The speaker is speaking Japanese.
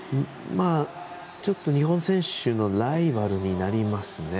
日本選手のライバルになりますね。